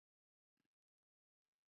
臧儿是西汉初燕王臧荼的孙女。